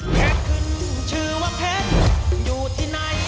ขึ้นชื่อว่าเพชรอยู่ที่ไหน